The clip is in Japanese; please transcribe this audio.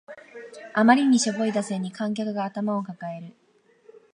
あまりにしょぼい打線に観客が頭を抱える